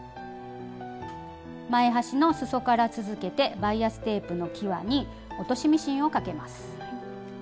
前端のすそから続けてバイアステープのきわに落としミシンをかけます。